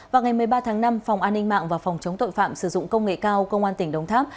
vào ngày một mươi ba tháng năm phòng an ninh mạng và phòng chống tội phạm sử dụng công nghệ cao công an tỉnh đồng tháp